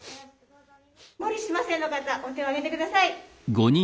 「もりしま」姓の方お手を挙げて下さい！